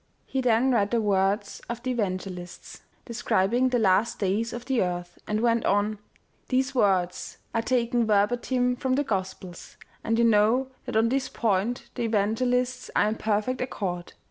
He then read the words of the evangelists* describing the last days of the earth, and went on : u These words are taken verbatim from the Gospels, and you know that on this point the evangelists are in perfect accord.